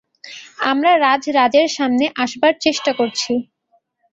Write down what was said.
আমরা রাজরাজের সামনে আসবার চেষ্টা করছি।